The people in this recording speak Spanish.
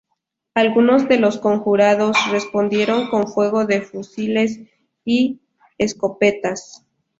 Algunos de los conjurados respondieron con fuego de fusiles y escopetas.